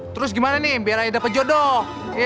terus gimana nih biar ayo dapet jodoh